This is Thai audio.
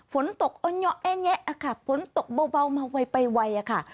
ฝนตกอ่ะเนี้ยะฝนตกเบามาไวไวค่ะ